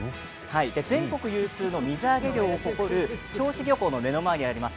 全国有数の水揚げ量を誇る銚子漁港の目の前にあります